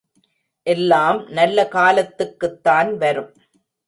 எல்லாம் நல்ல காலத்துக்குத் தான் வரும்!